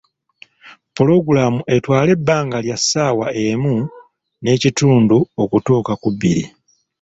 Pulogulaamu etwale ebbanga lya ssaawa emu n’ekitundu okutuuka ku bbiri.